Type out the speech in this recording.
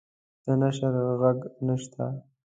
د نشریح ږغ نشته